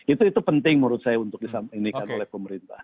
itu itu penting menurut saya untuk disamakan oleh pemerintah